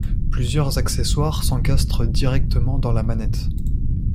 Plusieurs accessoires s'encastrent directement dans la manette.